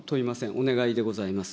お願いでございます。